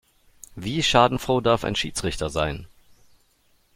Wie schadenfroh darf ein Schiedsrichter sein?